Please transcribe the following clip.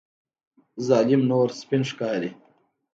ظالم نور سپین ښکاري.